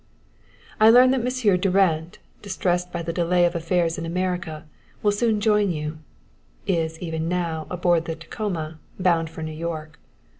I learn that Monsieur Durand, distressed by the delay in affairs in America, will soon join you is even now aboard the Tacoma, bound for New York.